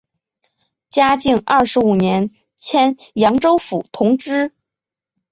嘉靖二十五年迁扬州府同知。